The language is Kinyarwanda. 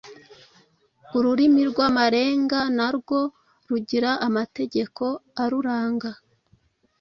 Ururimi rw’Amarenga narwo rugira amategeko aruranga